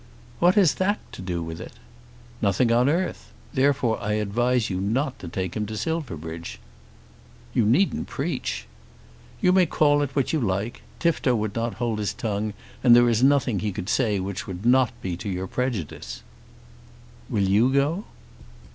"What has that to do with it?" "Nothing on earth. Therefore I advise you not to take him to Silverbridge." "You needn't preach." "You may call it what you like. Tifto would not hold his tongue, and there is nothing he could say there which would not be to your prejudice." "Will you go?"